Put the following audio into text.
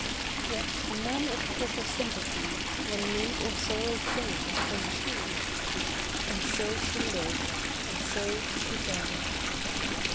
Yet none of quicker sympathy, When need or sorrow came, than she. And so she lived, and so she died.